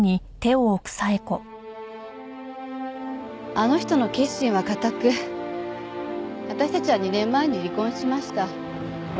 あの人の決心は固く私たちは２年前に離婚しました。